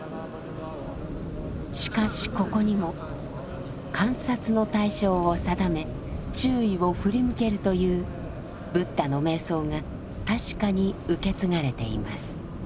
しかしここにも観察の対象を定め注意を振り向けるというブッダの瞑想が確かに受け継がれています。